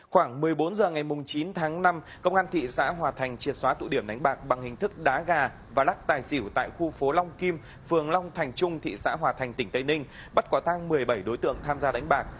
khoảng một mươi bốn h ngày chín tháng năm công an thị xã hòa thành triệt xóa tụ điểm đánh bạc bằng hình thức đá gà và lắc tài xỉu tại khu phố long kim phường long thành trung thị xã hòa thành tỉnh tây ninh bắt quả thang một mươi bảy đối tượng tham gia đánh bạc